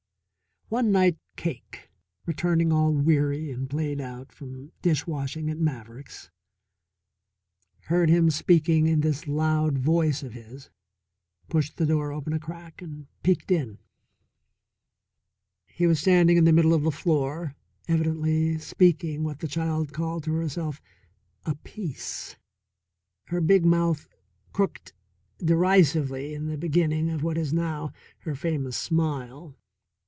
One night Cake, returning all weary and played out from dish washing at Maverick's, heard him speaking in this loud voice of his, pushed the door open a crack, and peeked in. He was standing in the middle of the floor evidently speaking what the child called to herself "a piece." Her big mouth crooked derisively in the beginning of what is now her famous smile.